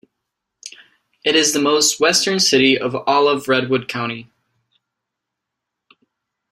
It is the most western city of all of Redwood County.